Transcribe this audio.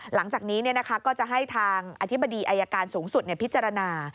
หลังจากนี้ก็จะให้ทางอธิบดีอายการสูงสุดพิจารณา